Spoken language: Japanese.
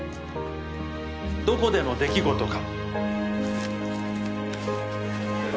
どこでの出来事か。